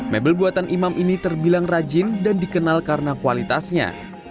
mebel buatan imam ini terbilang rajin dan dikenal karena kualitasnya